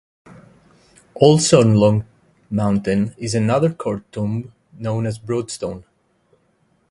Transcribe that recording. Also on Long Mountain is another court Tomb, known as Broadstone.